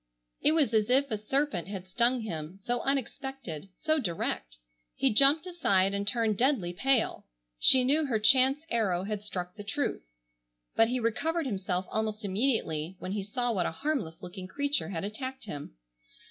It was as if a serpent had stung him, so unexpected, so direct. He jumped aside and turned deadly pale. She knew her chance arrow had struck the truth. But he recovered himself almost immediately when he saw what a harmless looking creature had attacked him.